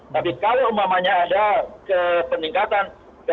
tapi kalau umumnya ada kepeningkatan